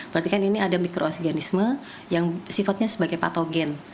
berarti kan ini ada mikroorganisme yang sifatnya sebagai patogen